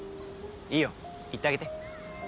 いいよ行ってあげて。